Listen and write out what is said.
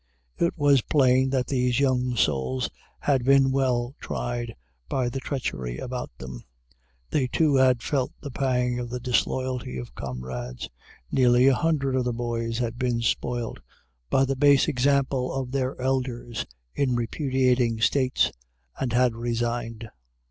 It was plain that these young souls had been well tried by the treachery about them. They, too, had felt the pang of the disloyalty of comrades. Nearly a hundred of the boys had been spoilt by the base example of their elders in the repudiating States, and had resigned.